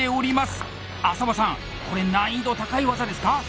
浅羽さんこれ難易度高い技ですか？